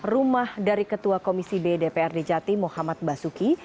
rumah dari ketua komisi b dprd jatim muhammad basuki